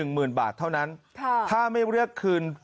หมื่นบาทเท่านั้นถ้าไม่เรียกคืน